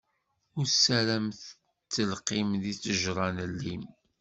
Ur ssaram ttelqim di ttejṛa n llim!